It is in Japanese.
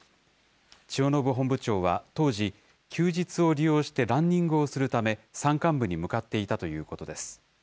千代延本部長は、当時、休日を利用してランニングをするため、山間部に向かっていたということです。